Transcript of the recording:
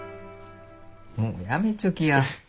もうやめちょきや。